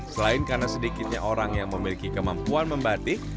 selain karena sedikitnya orang yang memiliki kemampuan membatik